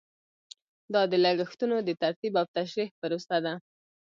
دا د لګښتونو د ترتیب او تشریح پروسه ده.